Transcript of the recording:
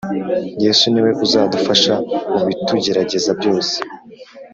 Yesu ni we uzadufasha mu bitugerageza byoese